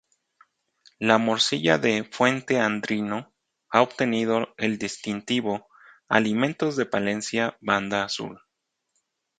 La morcilla de Fuente-Andrino ha obtenido el distintivo Alimentos de Palencia Banda Azul.